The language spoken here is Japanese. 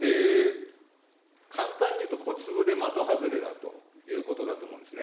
簡単に言うと、小粒で的外れだということなんですね。